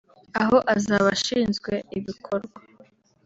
aho azaba ashinzwe ibikorwa